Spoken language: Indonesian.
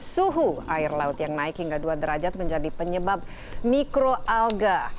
suhu air laut yang naik hingga dua derajat menjadi penyebab mikroalga